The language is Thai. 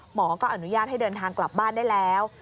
หมอก็อนุญาตให้เดินทางกลับบ้านได้แล้ว